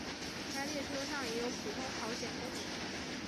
该列车上也有普通朝鲜公民。